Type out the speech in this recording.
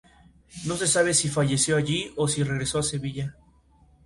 No se sabe si falleció allí o si regresó a Sevilla.